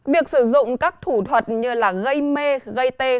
việc sử dụng các thủ thuật như gây mê gây tê